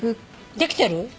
できてる。